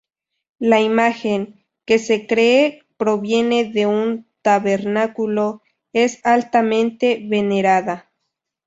La imagen, que se cree proviene de un tabernáculo, es altamente venerada.